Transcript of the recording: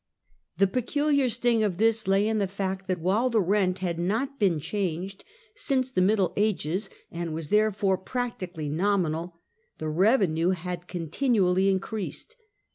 The peculiar sting of this lay in the fact that while the rent had not been changed since the middle ages, and was therefore practically nominal, the revenue had continually increased.